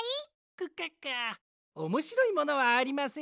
クカカおもしろいものはありませんが。